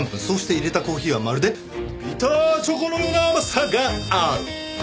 そうして淹れたコーヒーはまるでビターチョコのような甘さがある！